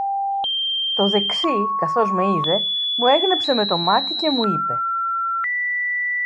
Το δεξί, καθώς με είδε, μου έγνεψε με το μάτι και μου είπε: